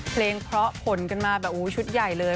เพลงเพราะผลกันมาแบบชุดใหญ่เลย